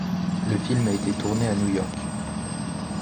Le film a été tourné à New York.